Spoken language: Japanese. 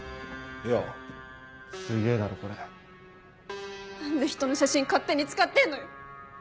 よぉすげぇだろこ何でひとの写真勝手に使ってんのよ！